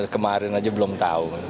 kemarin aja belum tahu